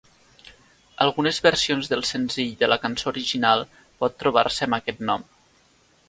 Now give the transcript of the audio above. Algunes versions del senzill de la cançó original pot trobar-se amb aquest nom.